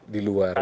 di luar itu